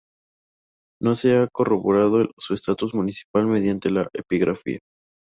No se ha corroborado su estatus municipal mediante la epigrafía.